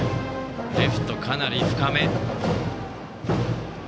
レフト、かなり深め。